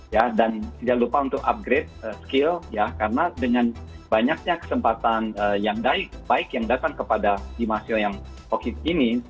ya dan jangan lupa untuk upgrade skill ya karena dengan banyaknya kesempatan yang baik yang datang kepada si mahasiswa yang covid ini